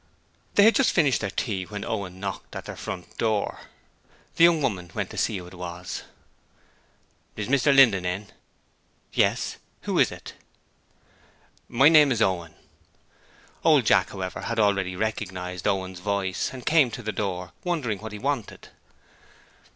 They had just finished their tea when Owen knocked at their front door. The young woman went to see who was there. 'Is Mr Linden in?' 'Yes. Who is it?' 'My name's Owen.' Old Jack, however, had already recognized Owen's voice, and came to the door, wondering what he wanted.